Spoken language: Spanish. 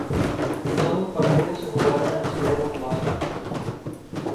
Todos los partido se jugaron en la ciudad de Mombasa.